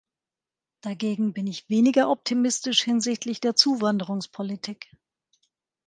Dagegen bin ich weniger optimistisch hinsichtlich der Zuwanderungspolitik.